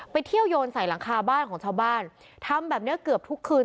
ไปเที่ยวโยนใส่หลังคาบ้านของชาวบ้านทำแบบเนี้ยเกือบทุกคืน